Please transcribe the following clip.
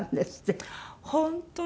本当に。